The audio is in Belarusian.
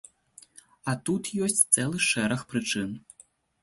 А тут ёсць цэлы шэраг прычын.